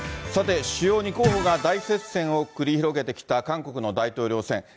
さて、主要２候補が大接戦を繰り広げてきた韓国の大統領選。